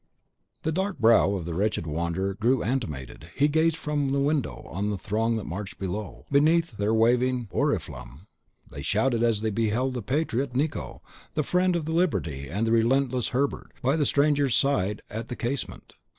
The dark brow of the wretched wanderer grew animated; he gazed from the window on the throng that marched below, beneath their waving Oriflamme. They shouted as they beheld the patriot Nicot, the friend of Liberty and relentless Hebert, by the stranger's side, at the casement.